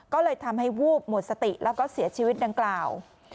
ก็เลยทำให้วูบหมดสติแล้วก็เสียชีวิตดังกล่าว